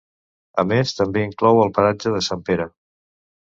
A més també inclou el paratge de Sant Pere.